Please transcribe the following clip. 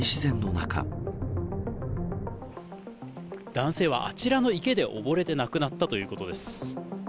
男性はあちらの池で溺れて亡くなったということです。